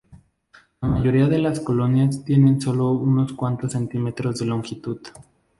La mayoría de las colonias tienen solo unos cuantos centímetros de longitud.